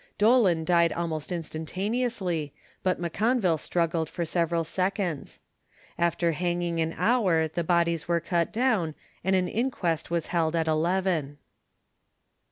Dolan died almost instantaneously, but M'Conville struggled for several seconds. After hanging an hour the bodies were cut down, and an inquest was held at eleven.